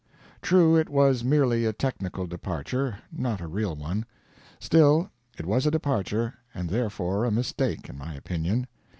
True, it was merely a technical departure, not a real one; still, it was a departure, and therefore a mistake, in my opinion.